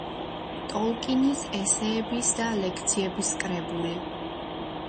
ტოლკინის ესეების და ლექციების კრებული.